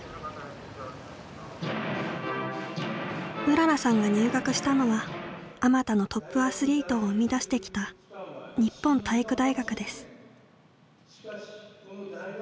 うららさんが入学したのはあまたのトップアスリートを生み出してきた日本体育大学です。